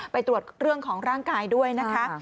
ไปตรวจเรื่องของร่างกายด้วยนะคะ